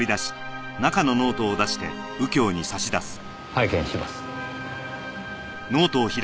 拝見します。